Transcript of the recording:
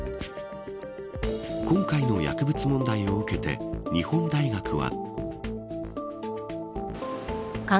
今回の薬物問題を受けて日本大学は。